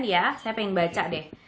saya pengen baca deh